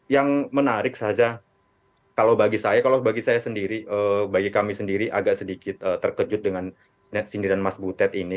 yang menarik saja kalau bagi saya sendiri bagi kami sendiri agak sedikit terkejut dengan sindiran mas butet ini